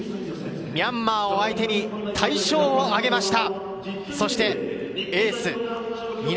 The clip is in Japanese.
ミャンマーを相手に大勝をあげました。